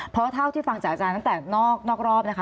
เพราะเท่าที่ฟังจากอาจารย์ตั้งแต่นอกรอบนะคะ